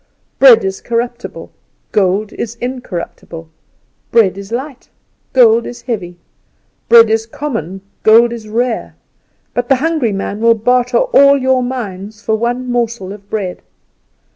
Bread is corruptible, gold is incorruptible; bread is light, gold is heavy; bread is common, gold is rare; but the hungry man will barter all your mines for one morsel of bread.